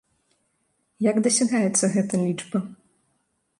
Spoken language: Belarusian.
Як дасягаецца гэта лічба?